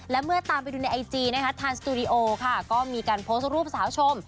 และเมื่อตามไปดูในไอจีนะคะทางสตูดิโอค่ะก็มีการโพสต์รูปสาวชม